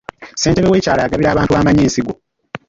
Ssentebe w'ekyalo agabira abantu b'amanyi ensigo.